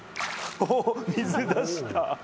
おお！お水出した！